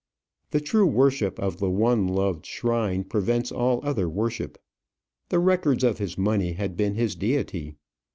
The true worship of the one loved shrine prevents all other worship. The records of his money had been his deity.